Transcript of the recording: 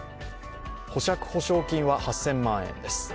保釈保証金は８０００万円です。